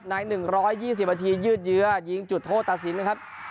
นายหนึ่งร้อยยี่สิบนาทียืดเยื้อยิงจุดโทษตัดสินนะครับ